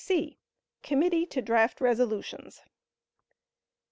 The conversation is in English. (c) Committee to draft Resolutions.